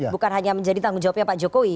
bukan hanya menjadi tanggung jawabnya pak jokowi